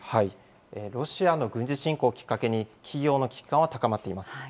ロシアの軍事侵攻をきっかけに、企業の危機感は高まっています。